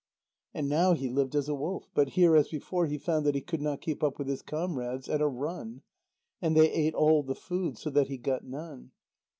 And now he lived as a wolf, but here as before he found that he could not keep up with his comrades at a run. And they ate all the food, so that he got none.